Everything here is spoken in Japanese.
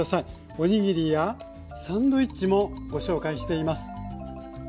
おにぎりやサンドイッチもご紹介しています。